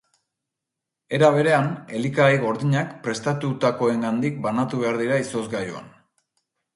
Era berean, elikagai gordinak prestutakoengandik banatu behar dira izozgailuan.